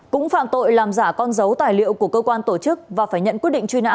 cũng phạm tội làm giả con dấu tài liệu của cơ quan tổ chức và phải nhận quyết định truy nã